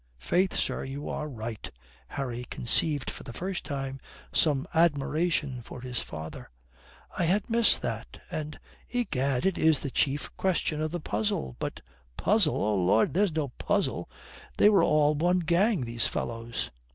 "Faith, sir, you are right," Harry conceived for the first time some admiration for his father. "I had missed that: and, egad, it is the chief question of the puzzle. But " "Puzzle! Oh Lud, there's no puzzle. They were all one gang, these fellows."